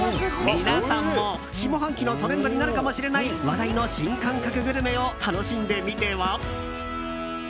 皆さんも、下半期のトレンドになるかもしれない話題の新感覚グルメを楽しんでみては？